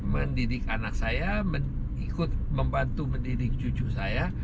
mendidik anak saya ikut membantu mendidik cucu saya